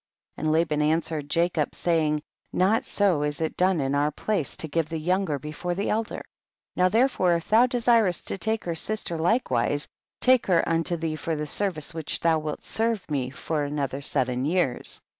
And Laban answered Jacob, saying, not so is it done in our place to give the younger before the elder ; now therefore if thou desirest to take her sister likewise, take her unto thee for the service which thou wilt serve me for another seven years.